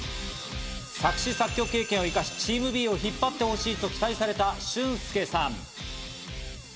作詞・作曲経験を生かし、チームを引っ張ってほしいと期待されたシュンスケさん。